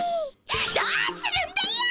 どうするんだよ！